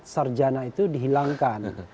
syarat sarjana itu dihilangkan